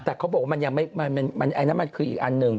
แต่เขาบอกว่ามันอันนั้นมันคืออีกอันหนึ่ง